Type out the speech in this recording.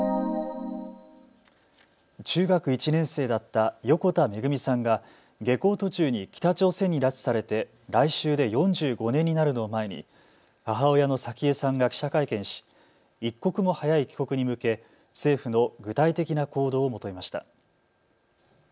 中学１年生だった横田めぐみさんが下校途中に北朝鮮に拉致されて来週で４５年になるのを前に母親の早紀江さんが記者会見し一刻も早い帰国に向け政府の具体的な行動を求めました。